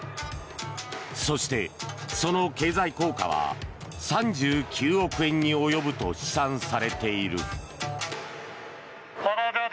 そしてその経済効果は３９億円に及ぶと試算されている。